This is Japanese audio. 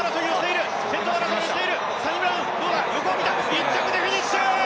１着でフィニッシュ。